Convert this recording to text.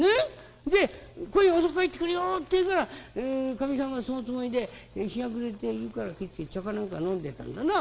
で『今夜遅く帰ってくるよ』って言うからかみさんがそのつもりで日が暮れて湯から帰って茶か何か飲んでたんだな。